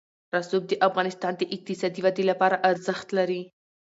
رسوب د افغانستان د اقتصادي ودې لپاره ارزښت لري.